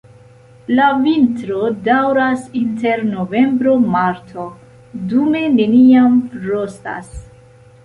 La vintro daŭras inter novembro-marto, dume neniam frostas.